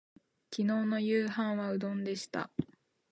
今日の夕飯はうどんでした